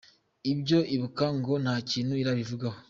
Ibyo Ibuka ko nta kintu irabivugaho?